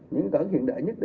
những cảng hiện đại nhất